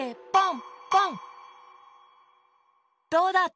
どうだった？